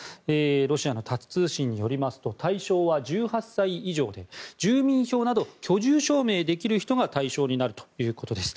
ロシアのタス通信によりますと対象は１８歳以上で住民票など居住証明できる人が対象になるということです。